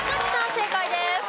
正解です。